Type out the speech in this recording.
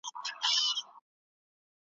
نه د چا د میني نه د زلفو بندیوان یمه `